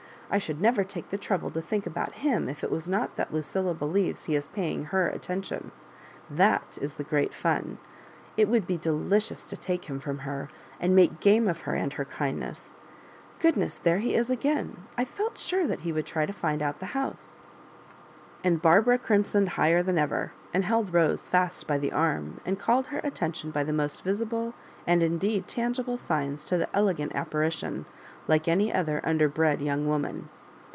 I should never take the trouble to think about him if it was not that Lucilla believes he is pay ing her attention— that is the great fun. It would be delicious to take him from her, and Digitized by Google MISS MABJOBIBAIiTKS. 37 make game of her and her kindness. Goodness I there he is again. I felt sure that he would try to find out the house." And Barbara crimsoned higher than ever, and held Hose fast by the arm, and called her atten tion by the most visible and indeed tangible signs to the elegant apparition, like any other underbred young woman.